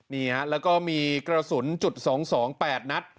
นี่ฮะแล้วก็มีกระสุนจุด๒๒๘นัด